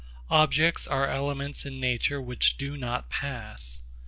Objects are elements in nature which do not pass.